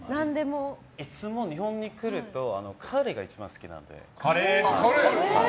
いつも日本に来るとカレーが一番好きなので。